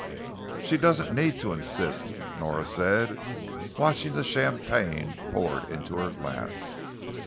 "She doesn't need to insist," Nora said, watching the champagne poured into her glass.